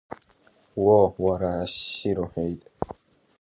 Уо, уара, ассир уҳәеит!